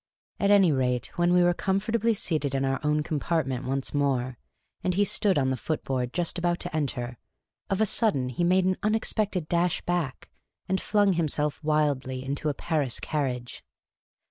At any rate, when we were comfortably seated in our own compartment once more, and he stood on the footboard j ust about to enter, of a sudden he made an unexpected dash back, and flung him self wildly into a Paris carriage.